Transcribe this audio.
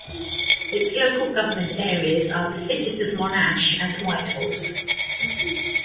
Its local government areas are the Cities of Monash and Whitehorse.